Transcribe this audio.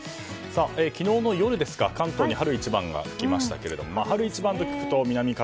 昨日の夜、関東に春一番が吹きましたが春一番と聞くと、南風。